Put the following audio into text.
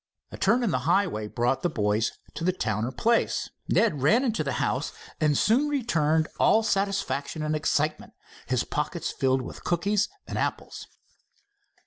A turn in the highway brought the boys to the Towner place. Ned ran into the house and soon returned all satisfaction and excitement, his pockets filled with cookies and apples.